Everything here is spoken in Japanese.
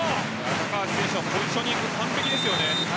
高橋選手のポジショニング完璧ですよね。